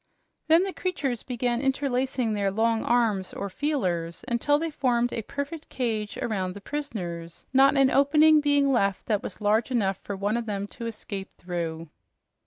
Then the creatures began interlacing their long arms or "feelers" until they formed a perfect cage around the prisoners, not an opening being left that was large enough for one of them to escape through.